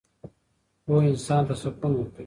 پوهه انسان ته سکون ورکوي.